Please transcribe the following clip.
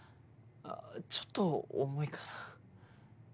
ちょっと重いかな。